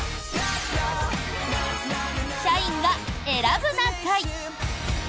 「社員が選ぶな会」。